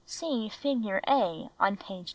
(See figure A on page 94.)